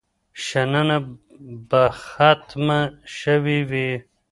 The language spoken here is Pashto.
شننه به ختمه شوې وي.